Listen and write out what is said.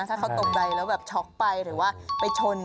ถ้าเขาตกใจแล้วแบบช็อกไปหรือว่าไปชน